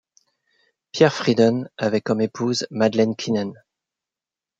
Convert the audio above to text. Pierre Frieden avait comme épouse Madeleine Kinnen.